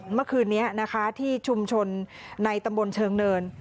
เมื่อคืนนี้นะคะที่ชุมชนในตำบลเชิงเนิน